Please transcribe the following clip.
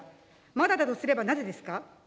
まだだとすればなぜですか。